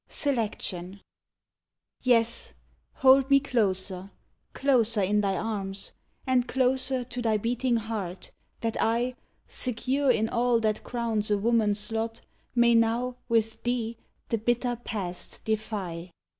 SELECTION Yes, hold me closer, closer in thy arms, And closer to thy beating heart, that I, Secure in all that crowns a woman's lot, May now, with thee, the bitter past defy!